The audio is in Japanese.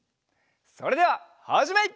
それでははじめい！